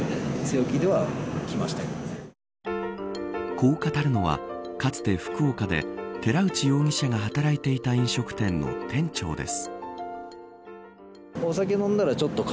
こう語るのは、かつて福岡で寺内容疑者が働いていた飲食店の店長です。